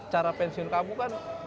cara pensiun kamu kan